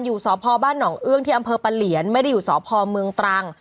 อยู่สพบ้านหนองเอื้องที่อำเภอปะเหลียนไม่ได้อยู่สพเมืองตรัง